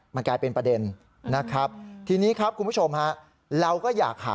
มันกลายเป็นประเด็นนะครับทีนี้ครับคุณผู้ชมฮะเราก็อยากหา